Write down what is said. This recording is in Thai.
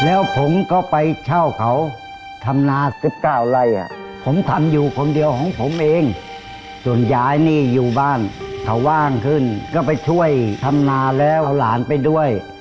แล้วผมก็ไปเช่าเขาทำนา๑๙ไร่ผมทำอยู่คนเดียวของผมเองส่วนยายนี่อยู่บ้านเขาว่างขึ้นก็ไปช่วยทำนาแล้วเอาหลานไปด้วย